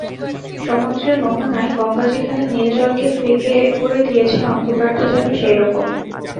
সমুদ্রের মোহানায় গঙ্গা যেখানে নীল জলকে ফিকে করে দিয়েছে, অন্ধকারটা যেন সেইরকম।